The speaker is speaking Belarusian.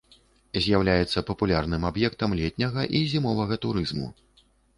З'яўляецца папулярным аб'ектам летняга і зімовага турызму.